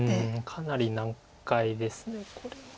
かなり難解ですこれは。